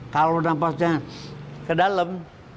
kalau nafasnya ke dalam